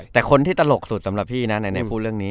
แต่คนที่ตลกสุดสำหรับพี่นะไหนพูดเรื่องนี้